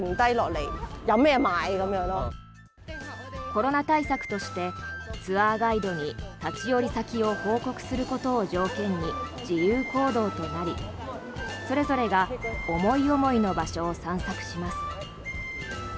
コロナ対策としてツアーガイドに立ち寄り先を報告することを条件に自由行動となりそれぞれが思い思いの場所を散策します。